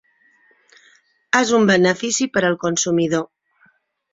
És un benefici per al consumidor.